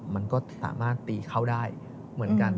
มันก็สามารถตีเขาได้เหมือนกัน